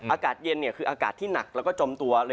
อากาศเย็นคืออากาศที่หนักแล้วก็จมตัวเลย